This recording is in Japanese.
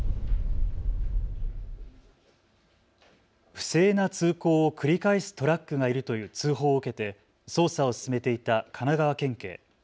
不正な通行を繰り返すトラックがいるという通報を受けて捜査を進めていた神奈川県警。